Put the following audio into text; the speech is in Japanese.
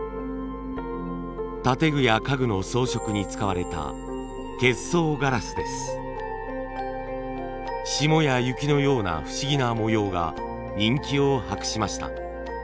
建具や家具の装飾に使われた霜や雪のような不思議な模様が人気を博しました。